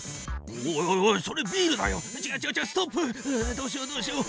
どうしようどうしよう。